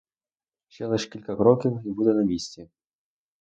Ще лиш кілька кроків, і буде на місці.